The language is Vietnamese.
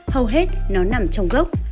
hầu hết nó nằm trong gốc